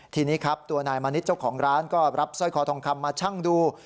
ทีนี้ครับตัวนายมณิชย์เจ้าของร้านก็รับสร้อยคอทองคำมาชั่งดู